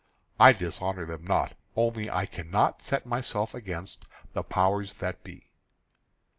"I dishonour them not. Only I cannot set myself against the powers that be."